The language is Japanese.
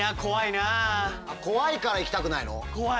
怖いから行きたくないの？